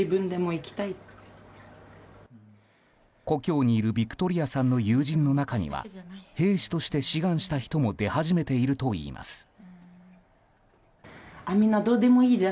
故郷にいるヴィクトリアさんの友人の中には兵士として志願した人も出始めているといいます。